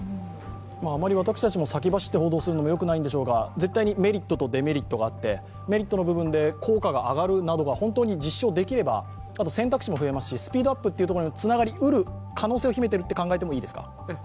あまり私たちも先走って報道するのはよくないんでしょうが絶対にメリットとデメリットがあってメリットの部分で効果が上がるなどが本当に実証できれば選択肢も増えますし、スピードアップにもつながりうる可能性を秘めていると考えていいですか。